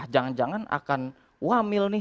jangan jangan akan wamil nih